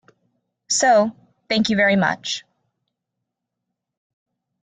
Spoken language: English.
So, thank you very much.